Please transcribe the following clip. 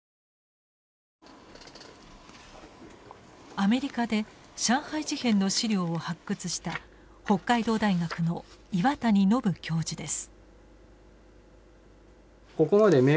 アメリカで上海事変の資料を発掘した北海道大学の岩谷將教授です。